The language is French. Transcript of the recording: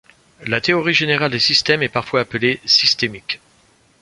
La théorie générale des systèmes est parfois appelée systémique.